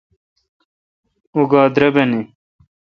اں گاےدربن۔